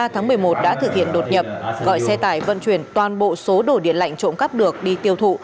tháng một mươi một đã thực hiện đột nhập gọi xe tải vận chuyển toàn bộ số đồ điện lạnh trộn cắp được đi tiêu thụ